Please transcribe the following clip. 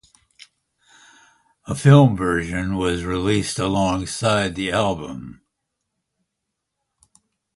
A film version was released alongside the album.